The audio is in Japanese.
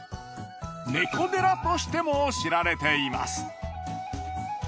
猫寺としても知られています。